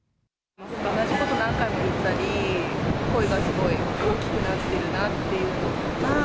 同じこと何回も言ったり、声がすごい大きくなってるなというのとか。